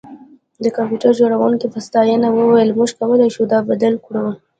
د کمپیوټر جوړونکي په ستاینه وویل موږ کولی شو دا بدل کړو